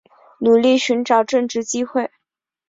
努力寻找正职机会